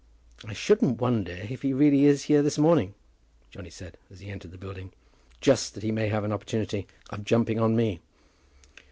"I shouldn't wonder if he really is here this morning," Johnny said, as he entered the building, "just that he may have an opportunity of jumping on me."